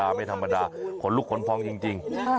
โอ้โฮไม่ธรรมดาขนลุกขนพร้อมจริง